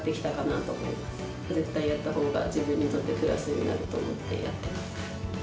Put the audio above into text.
絶対やった方が自分にとってプラスになると思ってやってます。